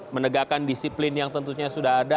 menegakkan disiplin yang tentunya sudah ada